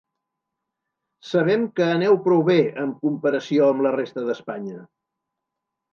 Sabem que aneu prou bé en comparació amb la resta d’Espanya.